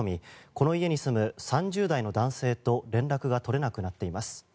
この家に住む３０代の男性と連絡が取れなくなっています。